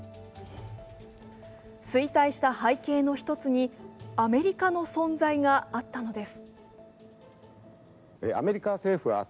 衰退した背景の１つにアメリカの存在があったのです。